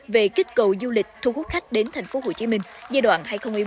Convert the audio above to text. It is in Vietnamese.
về kết cầu du lịch thu hút khách đến tp hcm giai đoạn hai nghìn một mươi bốn hai nghìn ba mươi